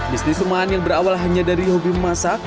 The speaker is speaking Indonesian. bisnis rumahan yang berawal hanya dari hobi memasak